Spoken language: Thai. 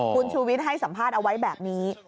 คุณชูวิทย์ให้สัมภาษณ์เอาไว้แบบนี้